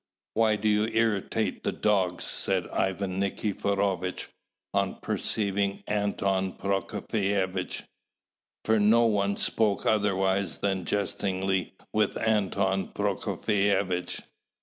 Why do you irritate the dogs?" said Ivan Nikiforovitch, on perceiving Anton Prokofievitch; for no one spoke otherwise than jestingly with Anton Prokofievitch.